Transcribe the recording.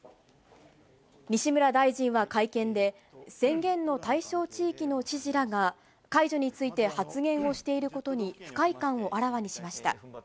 西村大臣は会見で、宣言の対象地域の知事らが解除について発言をしていることに、不快感をあらわにしました。